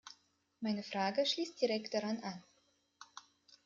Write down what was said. Meine Frage schließt direkt daran an.